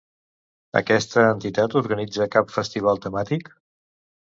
Aquesta entitat organitza cap festival temàtic?